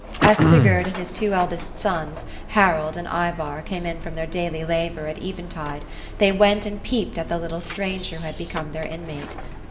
As Sigurd and his two eldest sons. Harald and Ivar, came in from their daily labour, at eventide, they went and peeped at the little stranger who had become their inmate.